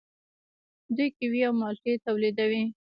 دوی کیوي او مالټې تولیدوي.